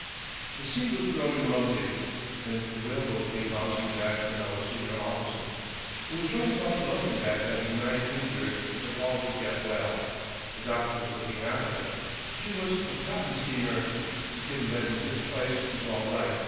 The sea was growing lumpy when the whale boat came bouncing back with our senior officer. It was right about the Luckenbach having nine injured, but all would get well. The doctor was looking after them. She was a cotton steamer. The kid who had been hit twice was all right.